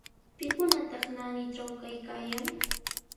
¿Pikunataq naanitraw kaykaayan?